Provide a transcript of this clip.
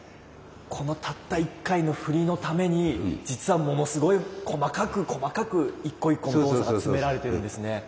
このたった１回の振りのために実はものすごい細かく細かく一個一個の動作が詰められてるんですね。